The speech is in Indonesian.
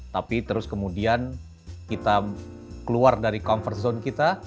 tapi terus kemudian kita keluar dari comfort zone kita